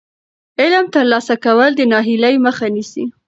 علم ترلاسه کول د ناهیلۍ مخه نیسي.